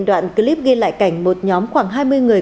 đoạn clip ghi lại cảnh một nhóm khoảng hai mươi người